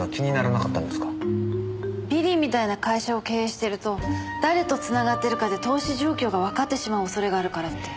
ビリーみたいな会社を経営してると誰と繋がってるかで投資状況がわかってしまう恐れがあるからって。